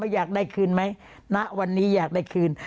อยากได้คืนไหมณวันนี้อยากได้คืน